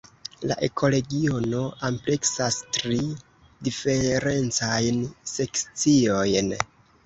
La ekoregiono ampleksas tri diferencajn sekciojn.